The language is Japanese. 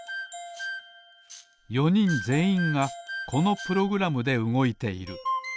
４にんぜんいんがこのプログラムでうごいている。